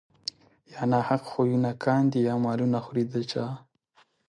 يا ناحق خونونه کاندي يا مالونه خوري د چا